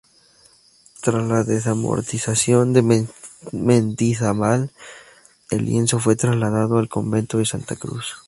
Tras la desamortización de Mendizábal, el lienzo fue trasladado al convento de Santa Cruz.